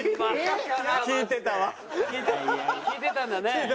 効いてたんだね。